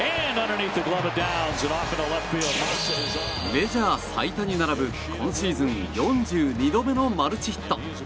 メジャー最多に並ぶ今シーズン４２度目のマルチヒット！